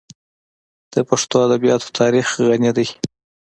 د پښتو ادبیاتو تاریخ غني دی.